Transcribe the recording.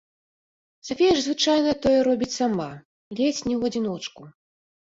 Сафія ж звычайна тое робіць сама, ледзь не ў адзіночку.